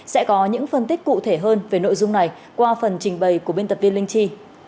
sẽ có những phân tích cụ thể hơn về nội dung này qua phần trình bày của biên tập viên linh chi